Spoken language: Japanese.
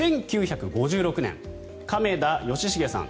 １９５６年、亀田良成さん